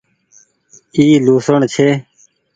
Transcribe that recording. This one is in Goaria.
اي لهوسڻ ڇي۔